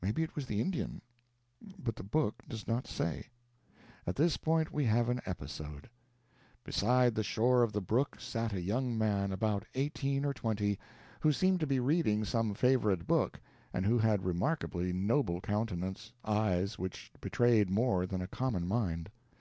Maybe it was the Indian; but the book does not say. At this point we have an episode: Beside the shore of the brook sat a young man, about eighteen or twenty, who seemed to be reading some favorite book, and who had a remarkably noble countenance eyes which betrayed more than a common mind.